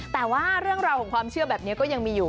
แต่ว่าเรื่องราวของความเชื่อแบบนี้ก็ยังมีอยู่